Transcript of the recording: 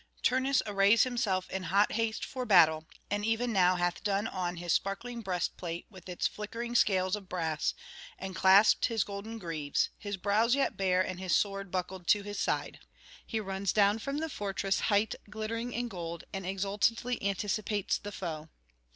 Turnus arrays himself in hot haste for battle, and even now hath done on his sparkling breastplate with its flickering scales of brass, and clasped his golden greaves, his brows yet bare and his sword buckled to his side; he runs down from the fortress height glittering in gold, and exultantly anticipates the foe.